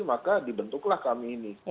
maka dibentuklah kami ini